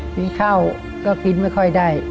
มีข้าวก็กินไม่ค่อยได้